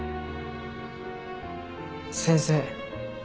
先生。